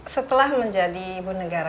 setelah menjadi ibu negara